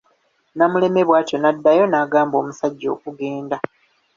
Namuleme bwatyo n'addayo n'agamba omusajja okugenda.